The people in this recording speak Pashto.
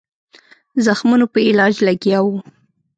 زخمونو په علاج لګیا وو.